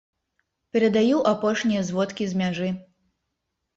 Перадаю апошнія зводкі з мяжы!